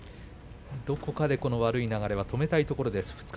どこかで悪い流れは止めたいところです。